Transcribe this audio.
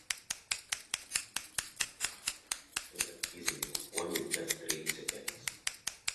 She beat all three robotic contenders easily, one in just three seconds.